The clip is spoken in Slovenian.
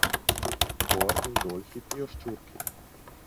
Gor in dol hitijo ščurki.